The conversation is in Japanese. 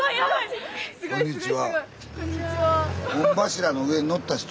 あこんにちは。